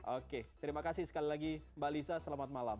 oke terima kasih sekali lagi mbak lisa selamat malam